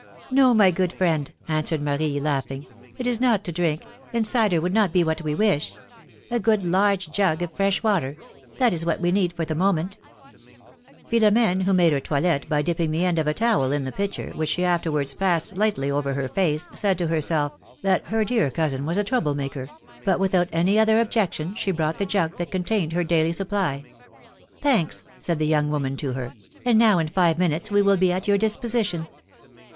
No, my good friend," answered Marie, laughing, it is not to drink, and cider would not be what we wish. A good, large jug of fresh water — that is what we need for the moment." PHILOMi^KE's MARRIAGES. 63 Philom^ne, who made her toilette by dipping the end of a towel in the pitcher, wdiich she afterwards passed lightly over her face, said to herself that her dear cousin was a trouble maker ;. but without any other objection, she brought the jug that contained her daily supply. Thanks,'^ said the young woman to her; '^and now in five minutes we will be at your disposition.